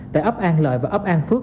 tại ấp an lợi và ấp an phước